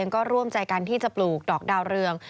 ก็ร่วมใจกันที่จะปลูกดอกดาวเรือง